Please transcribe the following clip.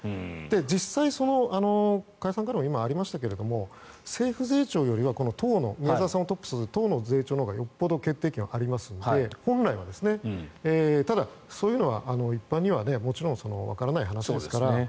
実際、加谷さんからも今ありましたが政府税調よりは宮沢さんがトップの党の税調のほうがよっぽど決定権がありますのでただ、そういうのは一般にはもちろんわからない話ですから。